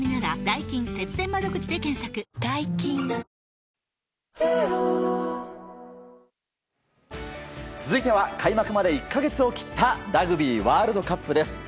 最高の渇きにＤＲＹ続いては開幕まで１か月を切ったラグビーワールドカップです。